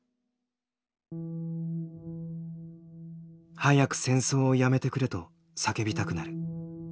早く戦争をやめてくれと叫びたくなる。